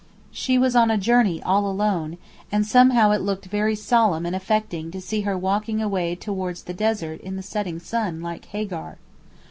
She was on a journey all alone, and somehow it looked very solemn and affecting to see her walking away towards the desert in the setting sun like Hagar.